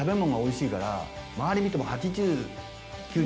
周り見ても。